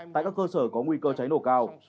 tại các cơ sở có nguy cơ cháy nổ cao